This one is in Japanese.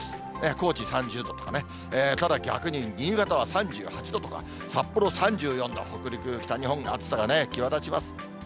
高知３０度とかね、ただ、逆に新潟は３８度とか、札幌３４度、北陸、北日本、暑さが際立ちます。